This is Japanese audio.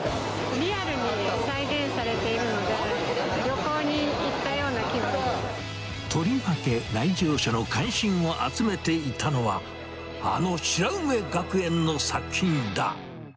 リアルに再現されているので、とりわけ、来場者の関心を集めていたのは、あの白梅学園の作品だ。